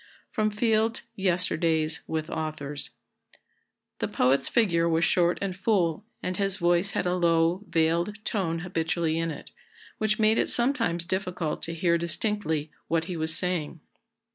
[Sidenote: Fields's Yesterdays with Authors.] "The poet's figure was short and full, and his voice had a low, veiled tone habitually in it, which made it sometimes difficult to hear distinctly what he was saying.